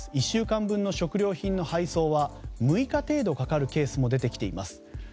１週間分の食料品の配送は６日程度かかるケースも出てきています。